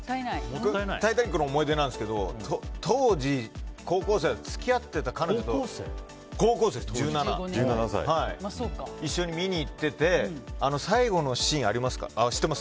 「タイタニック」の思い出なんですけど当時、高校生で付き合ってた彼女と一緒に見に行ってて最後のシーン知ってます？